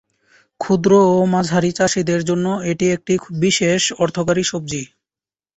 ক্ষুদ্র ও মাঝারি চাষীদের জন্য এটি একটি বিশেষ অর্থকরী সবজি।